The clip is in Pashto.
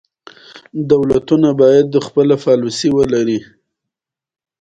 دولتونه باید د اقتصادي پرمختګ لپاره پایداره پالیسي ولري.